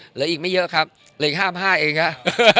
เหลืออีกไม่เยอะครับเหลืออีก๕๕เองฮะ